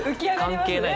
関係ない。